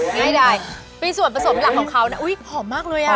นี่ให้ได้มีส่วนผสมหลักของเขานะอุ้ยหอมมากเลยอะ